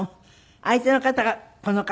相手の方がこの方。